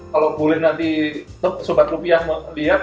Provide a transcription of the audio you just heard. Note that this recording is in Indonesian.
kalau boleh nanti sobat klub yang melihat